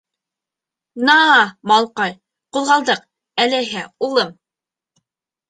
— На-а-а, малҡай, ҡуҙғалдыҡ, әләйһә, улым!